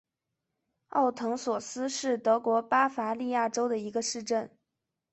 奥滕索斯是德国巴伐利亚州的一个市镇。